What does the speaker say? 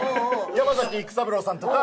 山崎育三郎さんとか。